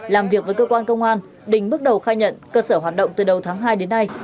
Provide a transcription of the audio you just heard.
làm việc với cơ quan công an đình bước đầu khai nhận cơ sở hoạt động từ đầu tháng hai đến nay